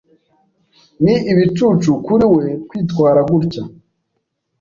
Ni ibicucu kuri we kwitwara gutya.